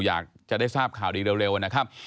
อยากจะได้ทราบข่าวดีเร็วนะครับ